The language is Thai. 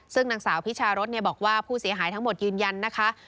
ซึ่งนางสาวพิชารสบอกว่าผู้เสียหายทั้งหมดยืนยันนะคะ